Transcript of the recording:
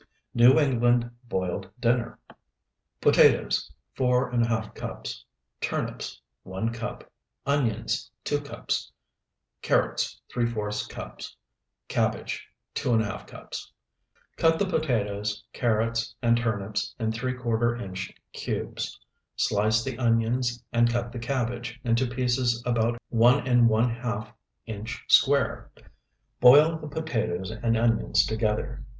NEW ENGLAND BOILED DINNER Potatoes, 4½ cups. Turnips, 1 cup. Onions, 2 cups. Carrots, 1¾ cups. Cabbage, 2½ cups. Cut the potatoes, carrots, and turnips in three quarter inch cubes; slice the onions and cut the cabbage into pieces about one and one half inch square. Boil the potatoes and onions together.